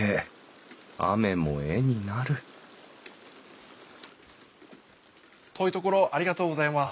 雨も絵になる遠いところありがとうございます。